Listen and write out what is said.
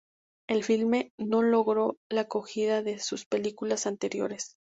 El filme no logró la acogida de sus películas anteriores.